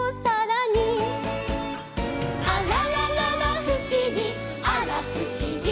「あららららふしぎあらふしぎ」